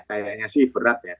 kayaknya sih berat ya